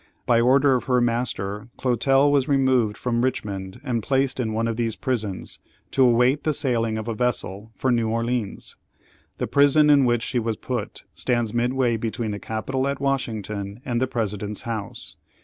By order of her master, Clotel was removed from Richmond and placed in one of these prisons, to await the sailing of a vessel for New Orleans. The prison in which she was put stands midway between the capitol at Washington and the President's house.